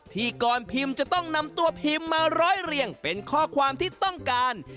ที่กรพิมพ์จะต้องนำตัวพิมพ์มาร้อยเรียงเป็นข้อความที่ต้องการ